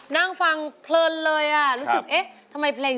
ร้องได้ให้ร้อง